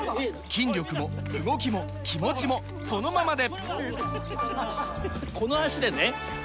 筋力も動きも気持ちもこのままで！